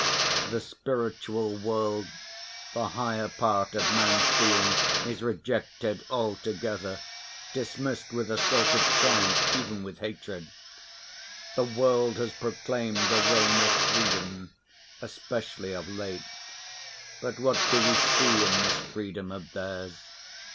The spiritual world, the higher part of man's being is rejected altogether, dismissed with a sort of triumph, even with hatred. The world has proclaimed the reign of freedom, especially of late, but what do we see in this freedom of theirs?